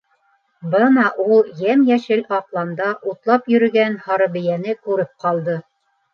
Бына ул йәм-йәшел аҡланда утлап йөрөгән һарыбейәне күреп ҡалды.